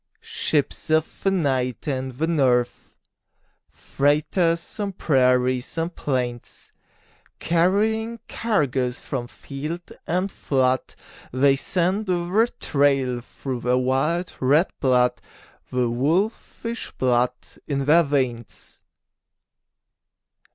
Ships of the night and the north, Freighters on prairies and plains, Carrying cargoes from field and flood They scent the trail through their wild red blood, The wolfish blood in their veins.